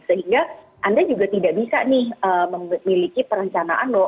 sehingga anda juga tidak bisa nih memiliki perencanaan loh